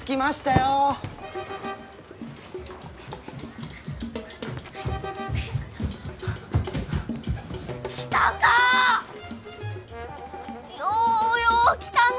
ようよう来たのう！